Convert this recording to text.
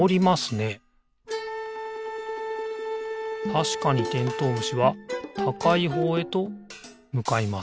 たしかにてんとうむしはたかいほうへとむかいます。